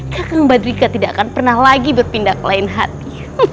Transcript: kakang badrika tidak akan pernah lagi berpindah kelain hati